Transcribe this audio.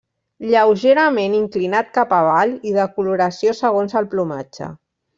Lleugerament inclinat cap avall, i de coloració segons el plomatge.